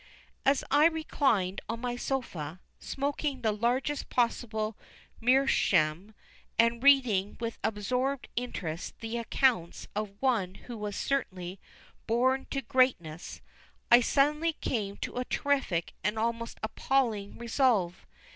As I reclined on my sofa, smoking the largest possible meerschaum, and reading with absorbing interest these accounts of one who was certainly "born to greatness," I suddenly came to a terrific and almost appalling resolve.